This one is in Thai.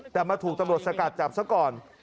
แต่มาถูกตำรวจสกัดจับซะก่อน